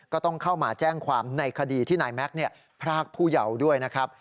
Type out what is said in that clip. ก็ต้องเข้ามาแจ้งความในคดีที่นายแม็กซ์พรากผู้เยาว์ด้วยนะครับ